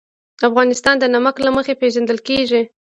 افغانستان د نمک له مخې پېژندل کېږي.